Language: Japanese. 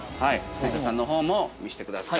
水田さんのほうも見せてください。